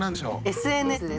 「ＳＮＳ」です。